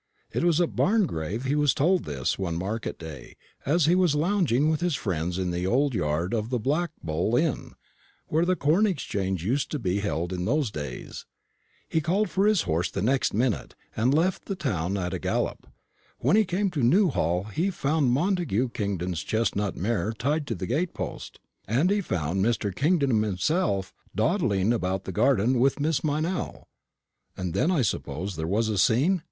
It was at Barngrave he was told this, one market day, as he was lounging with his friends in the old yard of the Black Bull inn, where the corn exchange used to be held in those days. He called for his horse the next minute, and left the town at a gallop. When he came to Newhall, he found Montagu Kingdon's chestnut mare tied to the gate post, and he found Mr. Kingdon himself, dawdling about the garden with Miss Meynell." "And then I suppose there was a scene?"